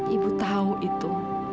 ibu tahu itu